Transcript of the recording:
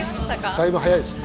だいぶ速いですね。